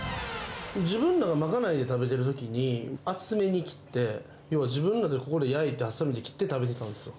自分らが賄いで食べてるときに厚めに切って、要は、自分らでこれらを焼いて、はさみで切って食べてたんですよ。